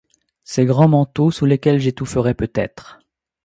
Ces grands manteaux sous lesquels j'étoufferai peut-être !